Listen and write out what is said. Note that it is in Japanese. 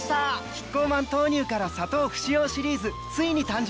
キッコーマン豆乳から砂糖不使用シリーズついに誕生！